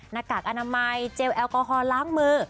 หน้ากากอนามัยเจลแอลกอฮอลล้างมือ